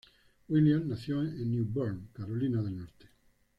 Williams nació en New Bern, Carolina del Norte.